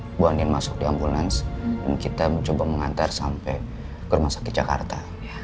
ibu anian masuk di ambulans dan kita mencoba mengantar sampai ke rumah sakit jakarta